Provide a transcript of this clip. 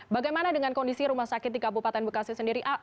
bagaimana dengan kondisi rumah sakit di kabupaten bekasi sendiri